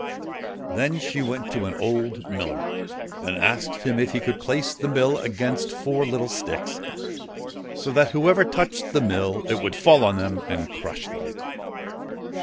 Then she went to an old miller and asked him if he could place the mill against four little sticks, so that whoever touched the mill it would fall on them and crush them.